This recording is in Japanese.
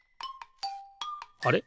あれ？